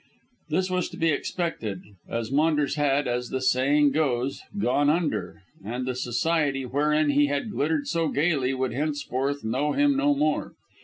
This was to be expected, as Maunders had, as the saying goes, "gone under," and the society wherein he had glittered so gaily would henceforth know him no more.